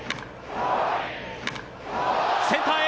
センターへ。